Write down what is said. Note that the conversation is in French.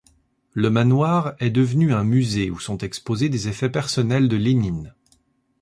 Le manoir est devenu un musée où sont exposés des effets personnels de Lénine.